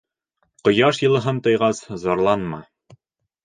— Ҡояш йылыһын тойғас, зарланма.